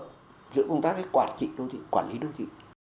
giữa công tác quản trị đối thị quản lý đối thị